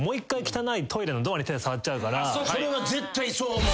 それは絶対そう思う。